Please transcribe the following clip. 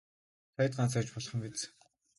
Саяд ганц байж болох юм биз.